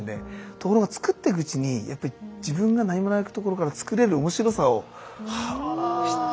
ところが作っていくうちにやっぱり自分が何もないところから作れる面白さを知ってくるわけですよ。